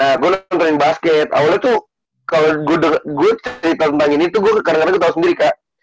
nah gue nontonin basket awalnya tuh kalau gue cerita tentang ini tuh kadang kadang gue tau sendiri kak